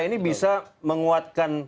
ini bisa menguatkan